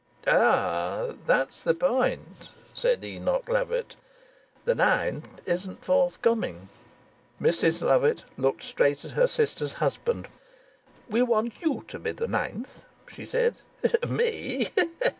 "Ah, that's the point," said Enoch Lovatt. "The ninth isn't forthcoming." Mrs Lovatt looked straight at her sister's husband. "We want you to be the ninth," she said. "Me!"